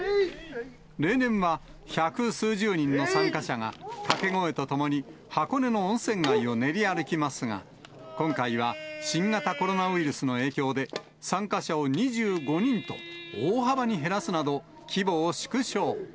例年は百数十人の参加者が、掛け声とともに箱根の温泉街を練り歩きますが、今回は新型コロナウイルスの影響で、参加者を２５人と、大幅に減らすなど、規模を縮小。